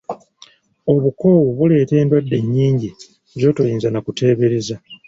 Obukoowu buleeta eddwadde nnyingi z’otoyinza na kuteebereza.